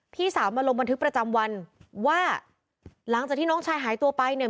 พี่สาวมาลงบันทึกประจำวันว่าหลังจากที่น้องชายหายตัวไปเนี่ย